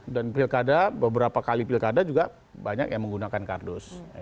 dan pilkada beberapa kali pilkada juga banyak yang menggunakan kardus